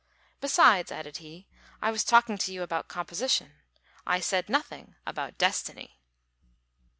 Besides," added he, "I was talking to you about composition: I said nothing about destiny."